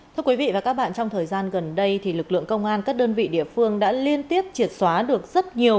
trong thời gian gần đây lực lượng công an các đơn vị địa phương đã liên tiếp triệt xóa được rất nhiều